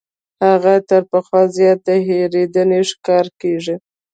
هغه تر پخوا زیات د هېرېدنې ښکار کیږي.